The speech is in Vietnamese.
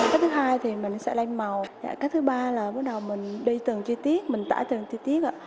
cái thứ hai thì mình sẽ lên màu cái thứ ba là bắt đầu mình đầy tầng chi tiết mình tải tầng chi tiết